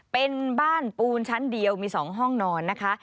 เป็นบ้านปูนชั้นเดียวมี๒ห้องนอนนะคะ